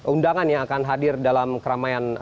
undangan yang akan hadir dalam keramaian